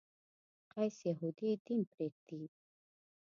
قیس یهودي دین پرېږدي.